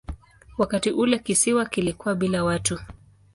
Wakati ule kisiwa kilikuwa bila watu.